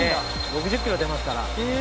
「６０キロ出ますから」